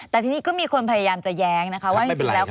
แต่ที่นี่ก็มีคนพยายามจะแย้งนะคะ